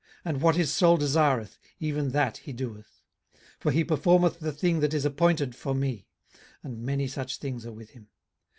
and what his soul desireth, even that he doeth. 18:023:014 For he performeth the thing that is appointed for me: and many such things are with him.